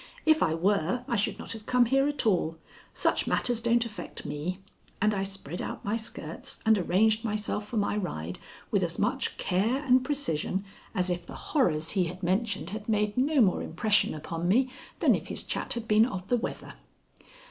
"If I were, I should not have come here at all. Such matters don't affect me." And I spread out my skirts and arranged myself for my ride with as much care and precision as if the horrors he had mentioned had made no more impression upon me than if his chat had been of the weather.